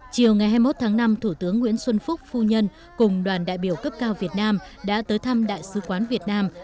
chiều ngày hai mươi một tháng năm thủ tướng nguyễn xuân phúc phu nhân cùng đoàn đại biểu cấp cao việt nam đã tới thăm đại sứ quán việt nam